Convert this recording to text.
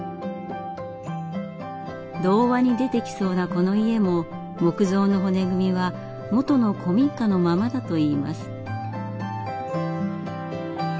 童話に出てきそうなこの家も木造の骨組みは元の古民家のままだといいます。